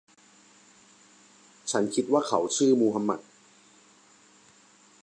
ฉันคิดว่าเขาชื่อมูฮัมหมัด